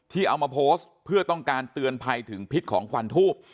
เอามาโพสต์เพื่อต้องการเตือนภัยถึงพิษของควันทูบ